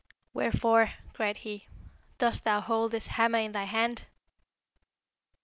'Wherefore,' cried he, 'dost thou hold this hammer in thy hand?'